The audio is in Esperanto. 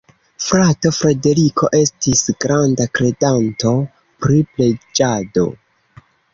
Frato Frederiko estis granda kredanto pri preĝado.